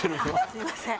すいません